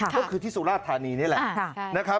ก็คือที่สุราชธานีนี่แหละนะครับ